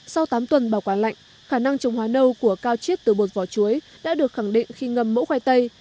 sau tám tuần bảo quản lạnh khả năng trồng hóa nâu của cao chiết từ bột vỏ chuối đã được khẳng định khi ngâm mẫu khoai tây